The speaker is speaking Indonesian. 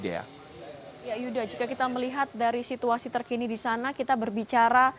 ya yuda jika kita melihat dari situasi terkini di sana kita berbicara